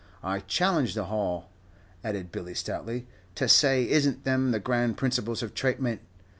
I challenge the Hall," added Billy, stoutly, "to say is n't them the grand principles of 'traitment.'